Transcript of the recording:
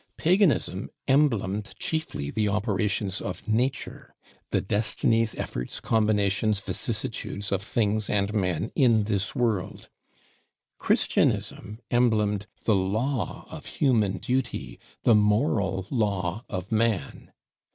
Paganism emblemed chiefly the Operations of Nature; the destinies, efforts, combinations, vicissitudes of things and men in this world; Christianism emblemed the Law of Human Duty, the Moral Law of Man.